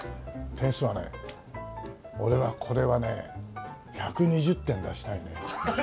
点数はね俺はこれはね１２０点出したいね。